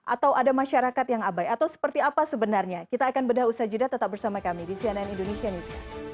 atau ada masyarakat yang abai atau seperti apa sebenarnya kita akan bedah usaha jeda tetap bersama kami di cnn indonesia newscast